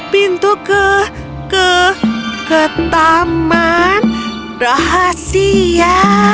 pintu ke ke taman rahasia